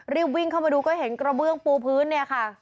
รีบวิ่งเข้ามาดูก็เห็นกระเบื้องปูพื้นเนี่ยค่ะ